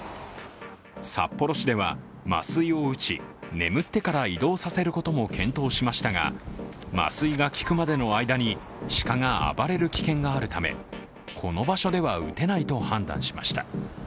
札幌市では麻酔を打ち、眠ってから移動させることも検討しましたが、麻酔が効くまでの間に鹿が暴れる危険があるためこの場所では打てないと判断しました。